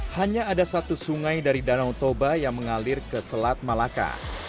hanya ada satu sungai dari danau toba yang mengalir ke selat malaka